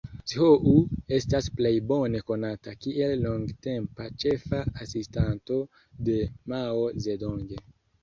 Zhou estas plej bone konata kiel longtempa ĉefa asistanto de Mao Zedong.